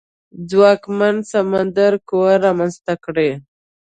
ځواکمنه سمندري قوه رامنځته کړي.